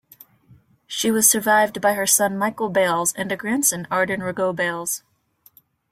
She was survived by her son Michael Bales, and a grandson, Arden Rogow-Bales.